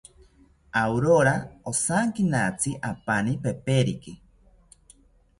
Aurora ojankinatzi apani peperiki